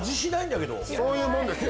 そういうもんですよ。